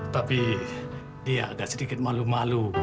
tapi dia agak sedikit malu malu